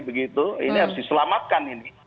begitu ini harus diselamatkan ini